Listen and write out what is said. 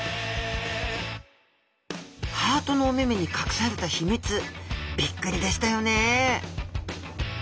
ハートのお目目に隠された秘密びっくりでしたよね！